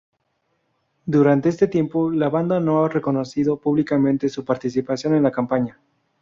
Durante este tiempo, la banda no ha reconocido públicamente su participación en la campaña.